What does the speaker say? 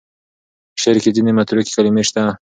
په شعر کې ځینې متروکې کلمې شته.